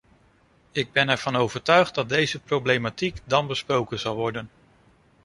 Ik ben ervan overtuigd dat deze problematiek dan besproken zal worden.